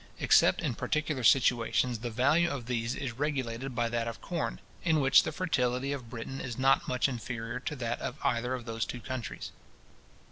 Except in particular situations, the value of these is regulated by that of corn, in which the fertility of Britain is not much inferior to that of either of those two countries.